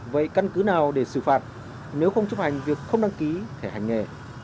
vậy căn cứ nào để xử phạt nếu không chấp hành việc không đăng ký thẻ hành nghề